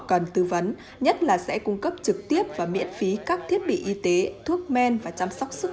cần tư vấn nhất là sẽ cung cấp trực tiếp và miễn phí các thiết bị y tế thuốc men và chăm sóc sức